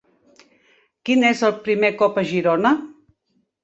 Quin és el primer cop a Girona?